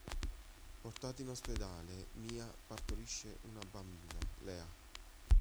Portata in ospedale Mia partorisce una bambina: Leah.